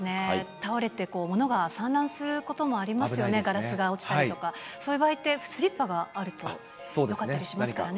倒れてものが散乱することもありますよね、ガラスが落ちたりとか、そういう場合って、スリッパがあるとよかったりしますからね。